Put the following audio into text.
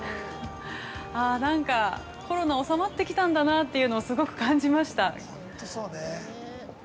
ああ、なんかコロナおさまってきたんだなというのをすごく感じました。